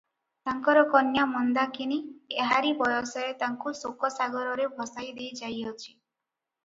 ତାଙ୍କର କନ୍ୟା ମନ୍ଦାକିନୀ ଏହାରି ବୟସରେ ତାଙ୍କୁ ଶୋକ-ସାଗରରେ ଭସାଇ ଦେଇ ଯାଇଅଛି ।